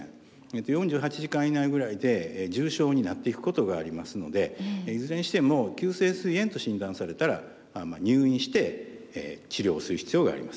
４８時間以内ぐらいで重症になっていくことがありますのでいずれにしても急性すい炎と診断されたら入院して治療をする必要があります。